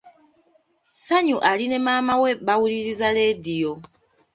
Ssanyu ali ne maama we bawuliriza leediyo.